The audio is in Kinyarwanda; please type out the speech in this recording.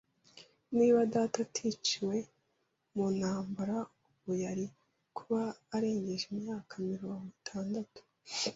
Niba data aticiwe mu ntambara, ubu yari kuba arengeje imyaka mirongo itandatu.